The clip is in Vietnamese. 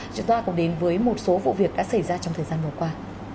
chúng ta cũng đến với một số vụ việc đã xảy ra trong thời gian vừa qua